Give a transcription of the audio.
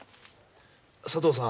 佐藤さん